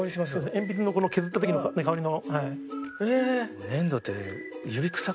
鉛筆の削った時の香りの。